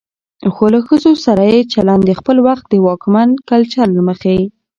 خو له ښځو سره يې چلن د خپل وخت د واکمن کلچر له مخې